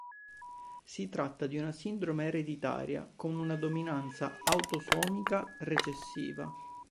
Si tratta di una sindrome eredetiraia con una dominanza autosomica recessiva.